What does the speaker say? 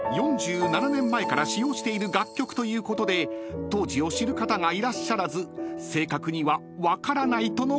４７年前から使用している楽曲ということで当時を知る方がいらっしゃらず正確には分からないとのことでした］